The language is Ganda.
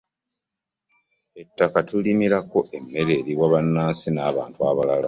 ettaka tulirimirako emmere eribwa bbannansi n'abantu abalala